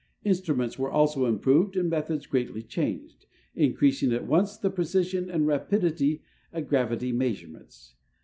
Instruments were also improved and methods greatly changed, increasing at once the precision and rapidity of gravity measurements.